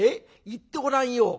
言ってごらんよ。